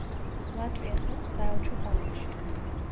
ლატვიას აქვს საელჩო ბაქოში.